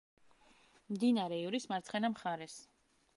მდინარე ივრის მარცხენა მხარეს.